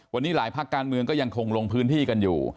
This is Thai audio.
วันนี้หลายภาคการเมืองก็ยังคงลงพื้นที่กันอยู่